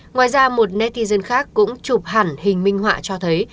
ngoài ra một nettison khác cũng chụp hẳn hình minh họa cho thấy